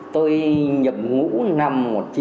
tôi nhập ngũ năm một nghìn chín trăm linh sáu